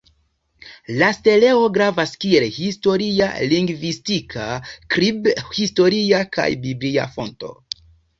La steleo gravas kiel historia, lingvistika, skrib-historia kaj biblia fonto.